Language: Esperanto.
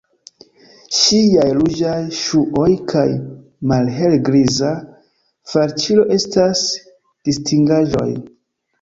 Ŝiaj ruĝaj ŝuoj kaj malhele-griza falĉilo estas distingaĵoj.